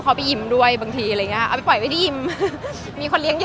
เขาไปยิ้มด้วยบางทีอะไรอย่างเงี้เอาไปปล่อยไม่ได้ยิ้มมีคนเลี้ยเยอะ